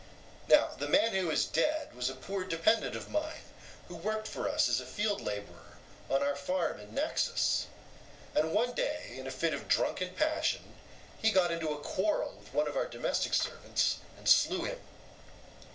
Now the man who is dead was a poor dependant of mine who worked for us as a field labourer on our farm in Naxos, and one day in a fit of drunken passion he got into a quarrel with one of our domestic servants and slew him.